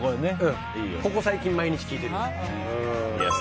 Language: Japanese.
ここ最近、毎日聴いてる。